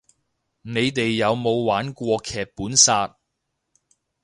你哋有冇玩過劇本殺